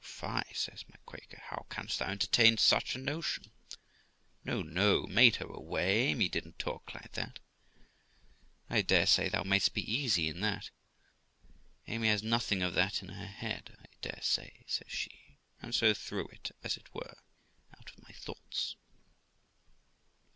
'Oh fie! 1 says my Quaker; 'how canst thou entertain such a notion! No, no. Made her away? Amy didn't talk like that; I dare say thou may'st be easy in that ; Amy has nothing of that in her head, I dare say', says she; and so threw it, as it were, out of my thoughts.